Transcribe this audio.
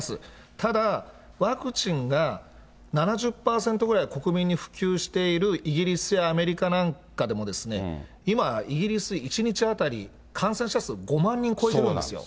ただ、ワクチンが７０％ぐらい国民に普及しているイギリスやアメリカなんかでも、今、イギリス、１日当たり感染者数５万人超えてるんですよ。